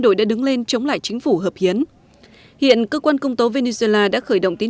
đội đã đứng lên chống lại chính phủ hợp hiến hiện cơ quan công tố venezuela đã khởi động tiến